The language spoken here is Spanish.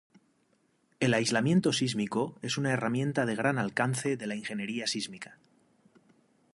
El aislamiento sísmico es una herramienta de gran alcance de la ingeniería sísmica.